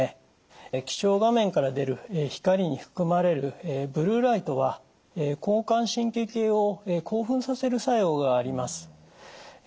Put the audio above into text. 液晶画面から出る光に含まれるブルーライトは交感神経系を興奮させる作用があります。